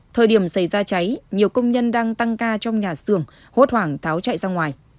thời điểm xảy ra cháy nhiều công nhân đang tăng ca trong nhà xưởng hốt hoảng tháo chạy ra ngoài